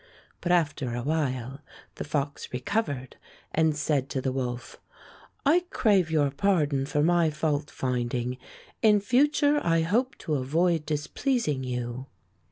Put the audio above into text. But after a while the fox recovered and said to the wolf: "I crave your pardon for my fault finding. In future I hope to avoid displeasing you."